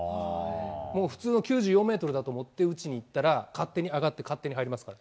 もう普通の９４メートルだと思って打ちにいったら、勝手に上がって勝手に入りますから。